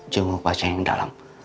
jemur pasien yang dalam